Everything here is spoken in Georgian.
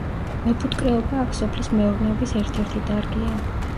მეფუტკრეობა აქ სოფლის მეურნეობის ერთ ერთი დარგია.